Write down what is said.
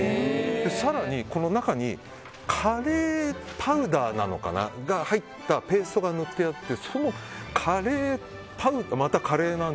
更に、中にカレーパウダーなのかが入ったペーストが塗ってあってそのカレー。